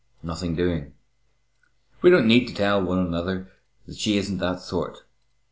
Nothing doing. We don't need to tell one another that she isn't that sort.